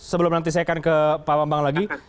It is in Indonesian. sebelum nanti saya akan ke pak bambang lagi